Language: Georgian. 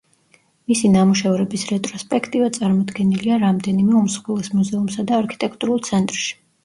მისი ნამუშევრების რეტროსპექტივა წარმოდგენილია რამდენიმე უმსხვილეს მუზეუმსა და არქიტექტურულ ცენტრში.